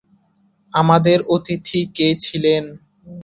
আমাদের অতিথি কে ছিলেন?